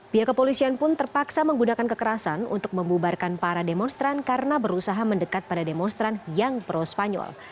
pihak kepolisian pun terpaksa menggunakan kekerasan untuk membubarkan para demonstran karena berusaha mendekat pada demonstran yang pro spanyol